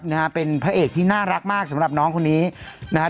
นะฮะเป็นพระเอกที่น่ารักมากสำหรับน้องคนนี้นะฮะ